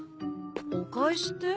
お返しって？